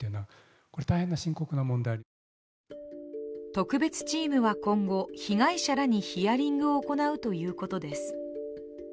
特別チームは今後、被害者らにヒアリングを行うということです。